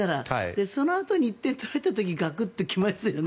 そのあと１点取られてガクッと来ましたよね。